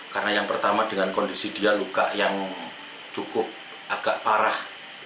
karena yang pertama dengan kondisi dia luka yang cukup agak parah